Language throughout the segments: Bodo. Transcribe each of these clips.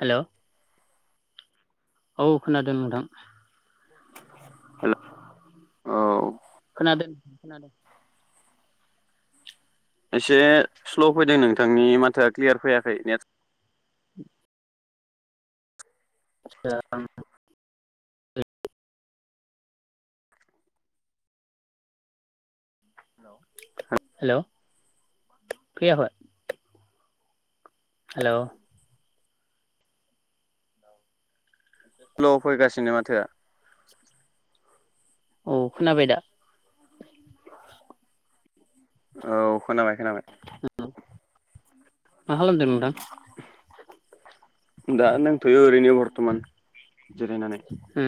हेलौ औ खोनादों नोंथां। हेल औ। खोनादों खोनादों। एसे स्ल' फैदों नोंथांनि माथ थोआ क्लियार फैयाखै नेट उ [unintelligible] हेलौ फैयाखय? हेलौ हेलौ फैगासिनो माथोआ औ खोनाबाय दा? औ खोनाबाय खोनाबाय मा खालामदों नोंथां? दा दोंथ'यो ओरैनो बरतमान जिरायनानै उम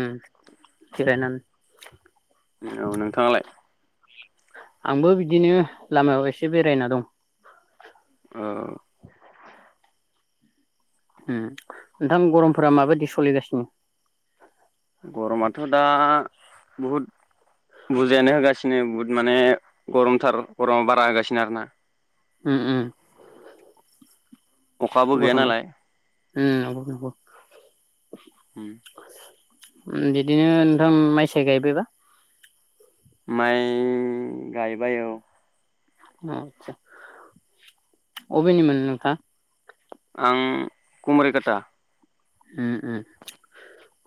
जिरायनानै औ नोंथाङालाय आंबो बिदिनो लामायाव एसे बेरायना दं औ ओ नोंथां गरमफोरा माबायदि सलिगासिनो? गरमाथ दा बहुद बुरजायानो होगासिनो बुहुद माने गरमथार गरमा बारा होगासिनो आरोना उम उम अखाबो गैया गरमा नालाय उम [unintelligible] उम उम बिदिनो नोंथां माइसाय गायबायबा? माइ गाय बाय औ उम अबेनिमोन नोंथां? आं कुमारिकाटा उम उम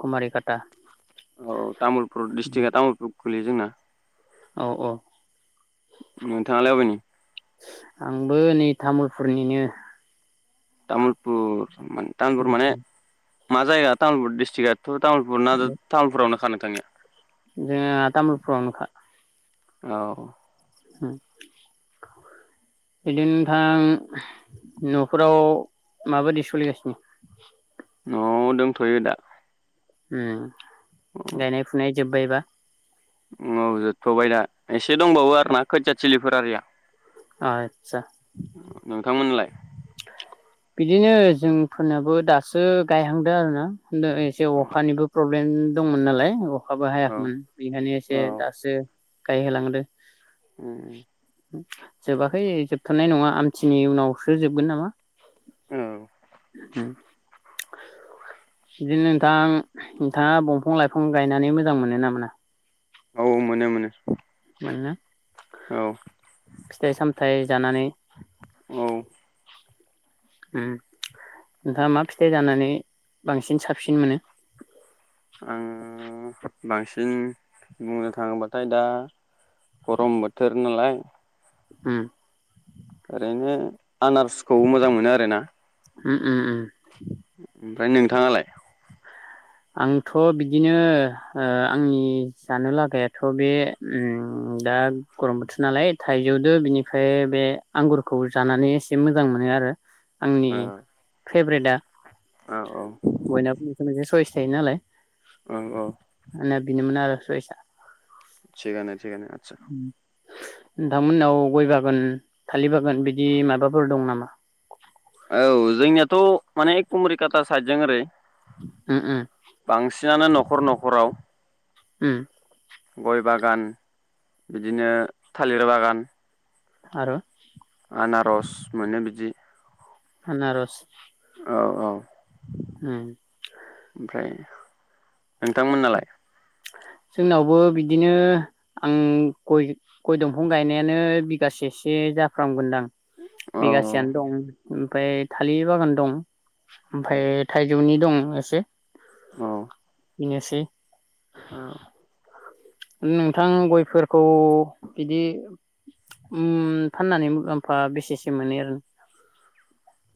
कुमारिखाटा औ तामुलपुर डिस्ट्रिक तामुलपुर गोलैयो जोंना औ औ नोंथाङालाय अबेनि आंबो नै थामुलफुरनिनो तामुलपुर मान तामुलपुर माने मा जाया तामुलपुर डिसट्रिकआ थ' तामुलपुर ना तामुलपुरावनो खानो थांनिया जोङा तामुलफुराव नोखा औ हुम बिदिनो नोंथां न'फोराव माबायदि सलिगासिनो न'आव दोंथ'यो दा उम गायनाय फुनाय जोब्बायबा? औ जोबथ'बाय दा एसे दंबावो आरो ना खोथिया थलिफोर आरिया आदसा नोंथांमोनलाय [inaudible] बिदिनो जोंफोरनाबो दासो गायहांदों आरोना दो एसे औ अखानिबो प्रब ब्लेेन दंमोन नालाय अख अखाबो औ हायाखैमोन बेनिखायनो एसे दासो गाय होलांदो उम उम जोबाखै जोबथारनाय नङा आमथिनि उनावसो जोबगोन नामा उम बिदिनो नोंथां नोंथाङा बंफां लाइफां गायनानै मोजां मोनो ना मोना औ मोनो मोनो मोनोना औ थाय जानानै औ ओम नोंथाङा मा फिथाइ जानानै बांसिन साबसिन मोनो आङो बांसिन बुंनो थाङोबाथाय दा गरम बोथोर नालाय उम ओरैनो आनार्सखौ मोजां मोनो आरोना उम उम उम ओमफ्राय नोंथाङालाय आंथ' बिदिनो ओ आंनि जानो लागायाथ' बे ओम दा गरम बोथोर नालाय थाइजौदो बिनिफ्राय बे आंगुरखौ जानानै एसे मोजां मोनो आरो आंनि औ फेभरेटआ औ औ बयनाबो मोनसे मोनसे सयस थायो नालाय औं औ बिनोमोन आरो सयसा थिगानो थिगानो आचसा नोंथांमोननाव गय बागान थालिर बागान बिदि माबाफोर दं नामा औ जोंनियाथ' माने कुमरिकाता साइदजों ओरै उम उम बांसिनानो न'खर न'खराव उम गय बागान बिदिनो थालिर बागान आरो आनारस मोनो बिदि आनारस औ औ उम ओमफ्राय नोंथांमोन नालाय जोंनावबो बिदिनो आं गय गय दंफां गायनायानो बिगासेसो जाफ्रामगोनदां। औ बिगासेयानो दं उम। ओमफ्राय थालिर बागान दं। ओमफ्राय थाइ [unintelligible] नि दं एसे। औ। बेनोसै। औ। नोंथां गयफोरखौ बिदि उम फाननानै मुलाम्फा बेसेसो मोनो आरो?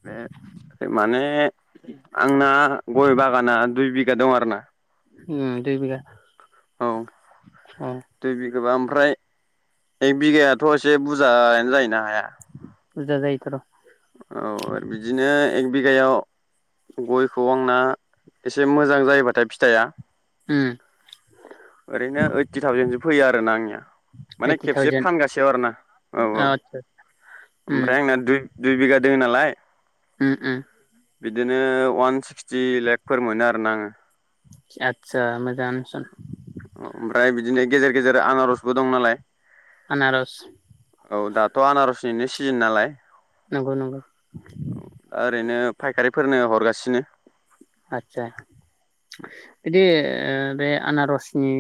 बे माने आंना गय बागाना दुइ बि गा दं आरोना। उम दुइ बिगा। औ। अ। गोबां ओमफ्राय एक बिगायाथ' एसे बुरजायानो जायोना हाया। बुजा जायो थ' र'। औ आरो बिदिनो एक बिगायाव गयखौ आंना एसे मोजां जायोबाथाय फिथाइआ उम ओरैनो ओइडटि थावजेनसो फैयो आरोना आंनिया। माने ओइटि खेबसे थावजेन फानगासेयाव आरोना। औ औ आतसा उम ओमफ्राय आंनाया दुइ बिगा दोङो नालाय। उम उम। बिदिनो अवान सिक्सटि लेखफोर मोनो आरोना आङो। आतसा आतसा मोजाङानो सन। ओमफ्राय बिदिनो गेजेर गेजेर आनारसबो दं नालाय। आनारस औ दाथ' आनारस इनि सिजोन नालाय नंगौ नंगौ। दा ओरैनो फायखारिफोरनो हरगासिनो। आतसा। बिदि ओ बे आनारसनि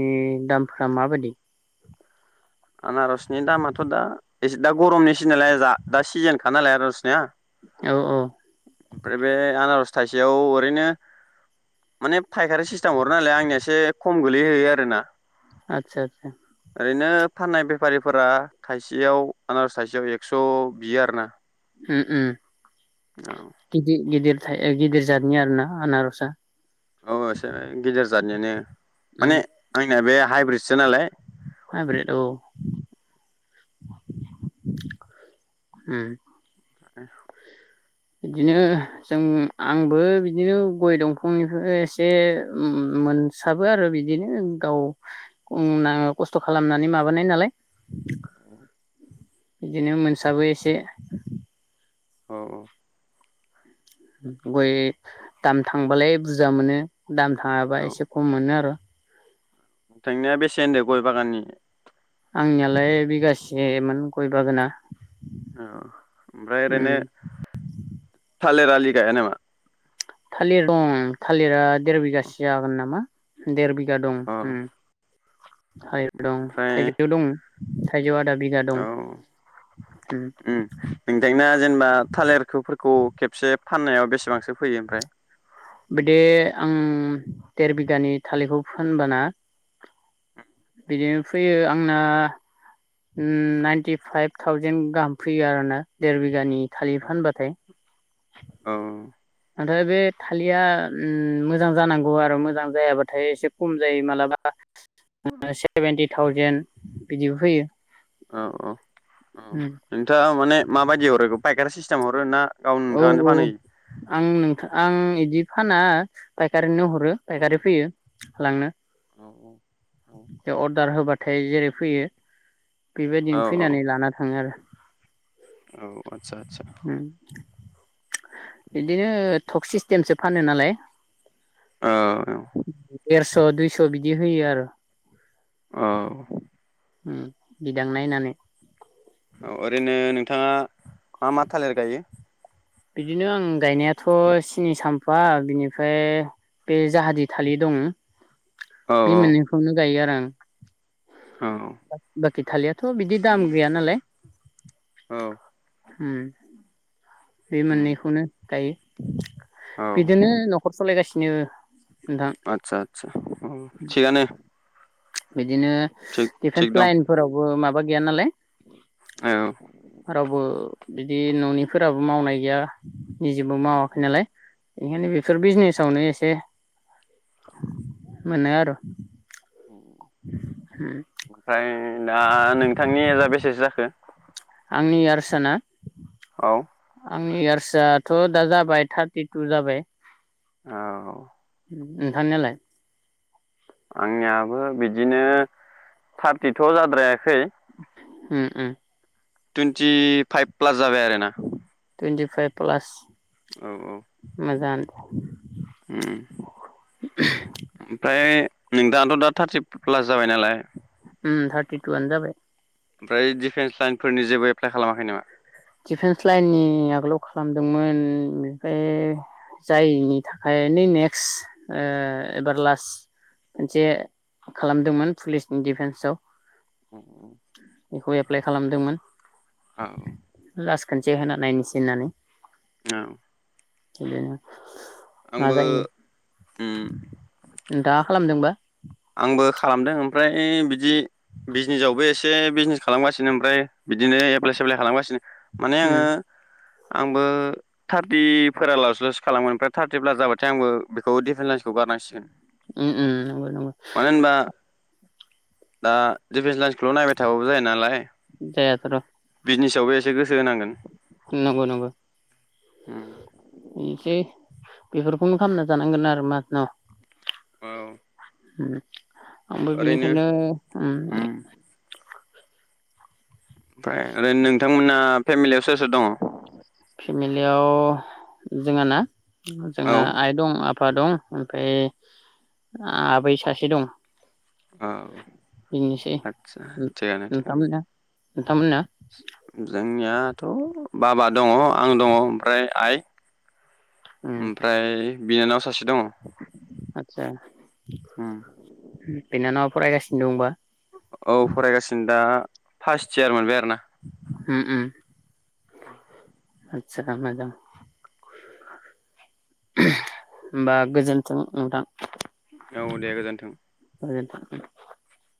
दामफोरा मा बायदि? आनारसनि दामाथ' दा एसे दा गरमनि सिजोनलाय दा सिजोनखा नालाय आनारसनिया औ औ ओमफ्राय बे आनारस थाइसेयाव ओरैनो माने फाइखारि सिस्टेम हरो नालाय आंनिया एसे खम गोलैहैयो आरोना। आतसा आतसा। ओरैनो फाननाय बेफारिफोरा थाइसेयाव आनारस थाइसेयाव एक्स बियो आरोना। उ उम। गिदिर गिदिर थाइ गिदिर जादनि आरोना आनारसआ। औ एसे गिदिर जादनिनो उम माने आंनिया बे हाइब्रिदसो नालाय। हाइब्रिद औ उम। [unintelligible] बिदिनो जों आंबो बिदिनो गय दंफांनिफ्राय एसे मोनसाबो आरो बिदिनो गाव नां खस्थ खालामनानै माबानाय नालाय बिदिनो मोनसाबो एसे। औ औ। गय दाम थांबालाय बुरजा मोनो। दाम थाङाबा एसे खम मोनो आरो। थांनिया बेसे होनदो गय बागाननि आंनियालाय बिगासेमोन गय बागाना। अ ओमफ्राय उम ओरैनो थालिर आलि गाया नामा? थालिर दं थालिरा देर औ बिगासो जागोन नामा देर बि दं उम हायिर दं ओमफ्राय थाइजौ दं। थायजौ [unintelligible] औ [unintelligible] जेनेबा थालिरखौफोरखौ खेबसे। फाननायाव बेसेबांसो फैयो ओमफ्राय। बिदि आं देर बिगानि थालिरखौ फानबाना। बिदिनो फैयो आंना नाइनटि फाइभ थावजेन गाहाम फैयो आरो ना देर बिघानि थालिर फानबाथाय। औ। नाथाय बे थालिरा मोजां जानांगौ आरो मोजां जायाबाथाय एसे खम जायो मालाबा। [unintelligible] थावजेेन बिदिबो फैयो। अ अ। औ नोंथाङा माने माबायदि हरो? फायखारि सिस्टेमाव हरो ना? गावनो औ नोंथाङानो औ फानहैयो? आं नोंथां आं इदि फाना फायखारिनो हर औ फायखारि फैयो। लांनो। औ औ अर्डार होबा। थाय जेरै फैयो बेबायदिनो औ औ फैनानै लाना थाङो आरो। औ आतसा आतसा। आरो बिदिनो टक सिस्टेमसो फानो नालाय। औ [unintelligible] स' दुइस' बिदि होयो आरो। औ उम बिदां नायनानै औ ओरैनो नोंथाङा मा मा थालिर गाइयो? बिदिनो आं गायनायाथ' सिनि साम्फा बिनिफाय बे जाहादि थालिर दं औ बि औ मोननैखौनो गाइयो आरो आं। औ बाखि थाालिर आथ' बिदि दाम गैया नालाय। औ होम। बे उम मोननैखौनो गाइयो। बिदिनो न'खर सालायगासि नो आतसा आतसा थिगानो। बिदिनो थिग थिग डिफेन्स दं लाइनफोरावबो माबा बा गैया नालाय। औ रावबो बिदि न'निफोराबो मावनाय गैया। निजेबो माववाखै नालाय। बेनिखायनो बेफोर बिजनेसावनो एसे मोनो आरो। आमफ्राय दा नोंथांनि एजआ बेसेसो जाखो? आंनि इयार साना औ आंनि इयार्सआ थ' दा जाबाय थारटिटु जाबाय। औ नोंथांनियालाय? आंनियाबो बिदिनो थारटिथ' जाद्रायाखै। उ उ टुइन्टि फाइभ प्लास जाबाय आरो ना। Twenty five plus. मोजांआनो। औ उ ओमफ्राय नों दाथ' दा थार्टि प्लास जाबाय नालाय। उ थार्टि टुआनो जाबाय। ओमफ्राय दिफेन्स लाइनफोरनि जेबो एप्लाइ खालामाखै नामा? दिफेन्स लाइननि आगोलाव खालामदोंमोन ओमफ्राय जायिनि थाखाय नै नेक्स्ट ओ एबार लास्ट मोनसे खालामदोंमोन पुलिसनि डिफेन्सआव। उम। बेखौ एप्लााय खालामदोंमोन। औ। लास खोनसे होना नायनोसै होननानै औ। बिनो मा जायो उम दा खालामदोंबा। आंबो खालामदों ओमफ्राय बिद बि बिजनेसावबो एस एसे बिजनेस खालामगासिनो ओमफ्राय बिदिनो एप्लाय सेफ्लाय खालामगासिनो। माने उम आङो आंबो थारटिफोरा लास लासो खालामोन ओमफ्राय थारटि प्लास जाबाथाय आंबो बेखौ डिफेन लइन्सखौ गारनांसिगोन। उम उम नंगो। नंगो मानो होनबा [unintelligible] दा दिफेन्स लाइन्सखौल' नायबाय थाबाबो जाया नालाय। जाया थर'। बिजनेसावबो एसे गोसो होनांगोन। हम। बेनोसै बेफोरखौनो खालामना जानांगोन आरो माथनाव। औ। हम। आंबो ओरैनो बिनिखायनो ओम। उम ओमफ्राय ओरैनो नोंथांमोना फेमिलियाव सोर सोर दङ? फेमिलियाव जोङा ना? औ जोंहा आइ दं आफ आफा दं ओमफ्राय आबै सासे दं। औ बेनोसै आत्सा थिगानो थिगानो। नोंथांमोना नोंथांमोना जोंनिया दाथ' बाबा दङ आं दङ ओमफ्राय आइ। उम ओमफ्राय बिनानाव सा आदसा बिनानावा फरायगासिनो। दंबा। फास्त इयार माबाया। ना। उम उम । [inaudible] आदसा मोजां होमबा गोजोन्थों नोंथां । औ दे गोजोन्थों । [inaudible]